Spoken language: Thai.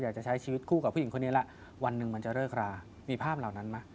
อยากจะใช้ชีวิตคู่กับผู้หญิงคนนี้ละวันหนึ่งมันจะเลิกรามีภาพเหล่านั้นไหม